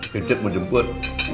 kejep mau jemput